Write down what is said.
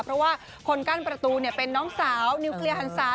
เพราะว่าคนกั้นประตูเป็นน้องสาวนิวเคลียร์หันศา